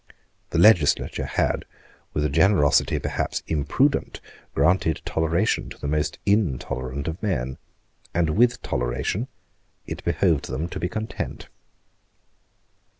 The legislature had, with a generosity perhaps imprudent, granted toleration to the most intolerant of men; and with toleration it behoved them to be content.